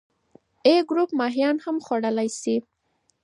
A ګروپ ماهیان هم خوړلی شي.